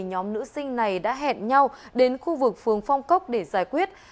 nhóm nữ sinh này đã hẹn nhau đến khu vực phường phong cốc để giải quyết